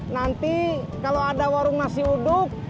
nanti kalau ada warung nasi uduk